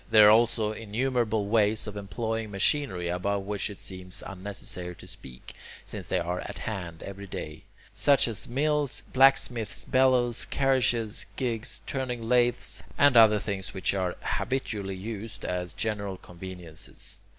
There are also innumerable ways of employing machinery about which it seems unnecessary to speak, since they are at hand every day; such as mills, blacksmiths' bellows, carriages, gigs, turning lathes, and other things which are habitually used as general conveniences.